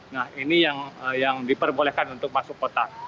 nah ini yang diperbolehkan untuk masuk kota